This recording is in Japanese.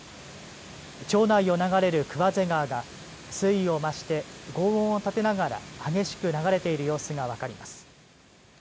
町内を流れる桑瀬川が水位を増してごう音を立てながら激しく流れている様子が分かります。